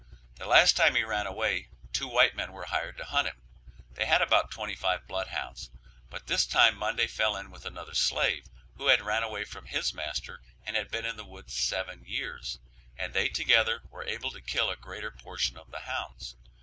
The last time he ran away two white men were hired to hunt him; they had about twenty five blood hounds, but this time Monday fell in with another slave who had ran away from his master and had been in the woods seven years, and they together were able to kill a greater portion of the hounds.